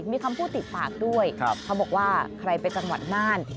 มีคำพูดติดปากด้วยเขาบอกว่าใครไปจังหวัดน่าน